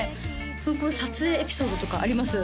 これ撮影エピソードとかあります？